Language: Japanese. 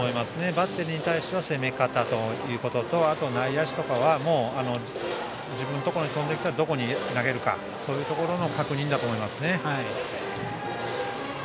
バッテリーに対しては攻め方と内野手とかは自分のところに飛んできたらどこに投げるかそういうところの確認だと思います。